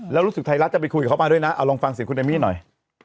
แล้วรู้สึกไทยรัฐจะไปคุยกับเขามาด้วยนะเอาลองฟังเสียงคุณเอมมี่หน่อย